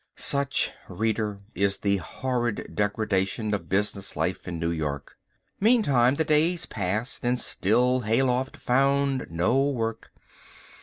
Such, reader, is the horrid degradation of business life in New York. Meantime the days passed and still Hayloft found no work.